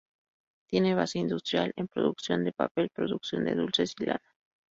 Tiene base industrial en producción de papel, producción de dulces y lana.